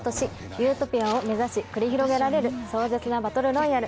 ユートピアを目指し繰り広げられる壮絶なバトルロイヤル。